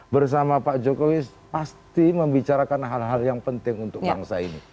bersama pak jokowi pasti membicarakan hal hal yang penting untuk bangsa ini